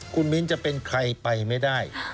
คุณมิ้นจะเป็นใครไปไม่ได้